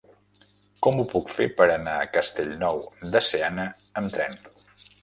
Com ho puc fer per anar a Castellnou de Seana amb tren?